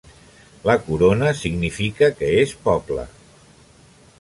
La corona significa que és poble.